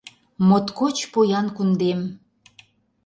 Моткоч поян кундем!